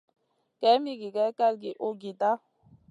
Kaïn mi gigè kalgi uhgida.